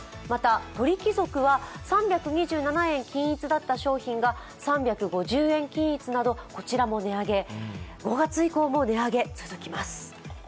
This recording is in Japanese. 鳥貴族は、３２７円均一だった商品が３５０円均一などこちらも値上げ、５月以降も値上げ続きます。